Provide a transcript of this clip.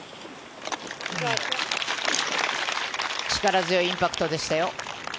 力強いインパクトでしたよ。